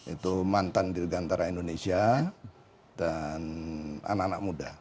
itu mantan di rekantara indonesia dan anak anak muda